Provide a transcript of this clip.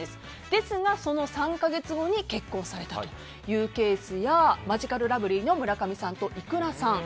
ですが、その３か月後に結婚されたというケースやマヂカルラブリーの村上さんといくらさん。